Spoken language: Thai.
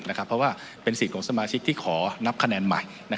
เพราะว่าเป็นสิทธิ์ของสมาชิกที่ขอนับคะแนนใหม่